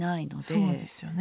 そうですよね。